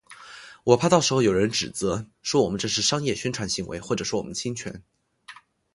我怕到时候有人指责，说这是商业宣传行为或者说我们侵权